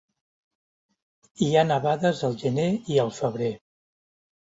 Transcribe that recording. Hi ha nevades al gener i al febrer.